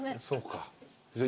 そうか。